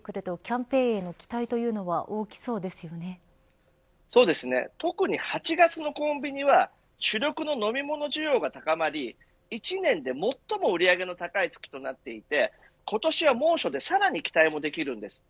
そうなってくるとキャンペーンへの期待というのは特に８月のコンビニは主力の飲み物需要が高まり１年で最も売り上げの高い月となっていて今年は猛暑でさらに期待もできます。